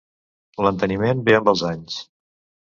L'enteniment ve amb els anys.